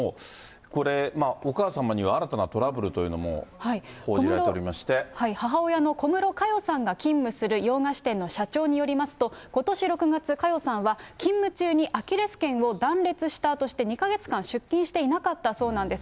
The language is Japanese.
これ、お母様には新たなトラブル母親の小室佳代さんが勤務する洋菓子店の社長によりますと、ことし６月、佳代さんは、勤務中にアキレスけんを断裂したとして、２か月間出勤していなかったそうなんです。